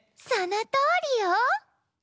そのとおりよ！